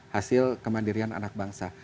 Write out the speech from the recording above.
hasil kemandirian anak bangsa